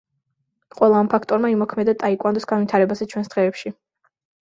ყველა ამ ფაქტორმა იმოქმედა ტაიკვანდოს განვითარებაზე ჩვენს დღეებში.